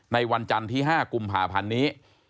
วันจันทร์ที่๕กุมภาพันธ์นี้